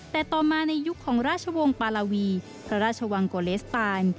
แต่ต่อมาในยุคของราชวงศ์ปาลาวีพระราชวังโกเลสตาน